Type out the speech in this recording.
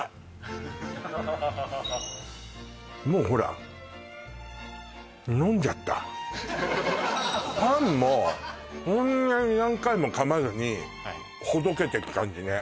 もうほら飲んじゃったパンもそんなに何回も噛まずにほどけてく感じね